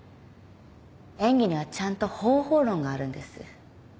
演技にはちゃんと方法論があるんです。